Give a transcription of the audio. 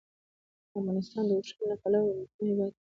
افغانستان د اوښانو له پلوه یو متنوع هېواد دی.